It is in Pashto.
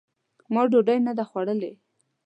ما ډوډۍ نه ده خوړلې !